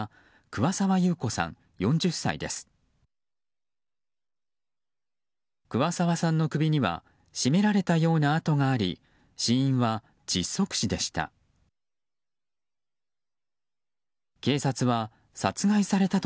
桑沢さんの首には絞められたような痕があり死因は窒息死でした。